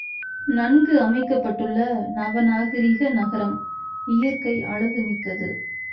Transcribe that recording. நன்கு அமைக்கப்பட்டுள்ள நவநாகரிக நகரம், இயற்கை அழகுமிக்கது.